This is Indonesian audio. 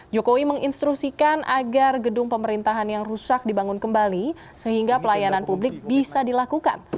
jokowi menginstruksikan agar gedung pemerintahan yang rusak dibangun kembali sehingga pelayanan publik bisa dilakukan